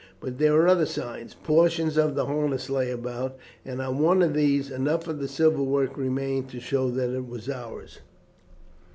But there were other signs. Portions of the harness lay about, and on one of these enough of the silver work remained to show that it was ours.